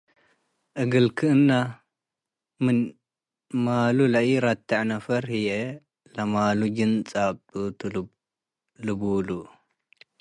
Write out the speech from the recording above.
እግል ክእነ ምን ማሉ ለኢረቴዕ ነፈር ህዬ፣ “ለማሉ ጅን ጻብጡ ቱ” ልቡሉ።